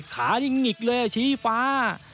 ขานี่หงิกเลยชี้ฟ้า